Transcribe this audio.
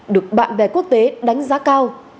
được bạn bè quốc tế đánh giá cao